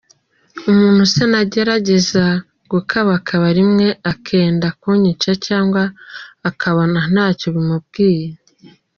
umuntu se nanagerageza gukababaka rimwe akenda kunyica cg ukabona ntacyo bimubwiye.